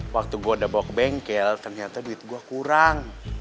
waktu gue udah bawa ke bengkel ternyata duit gue kurang